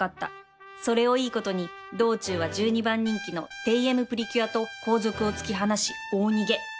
それをいいことに道中は１２番人気のテイエムプリキュアと後続を突き放し大逃げ